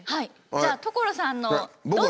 じゃあ所さんのどうぞ！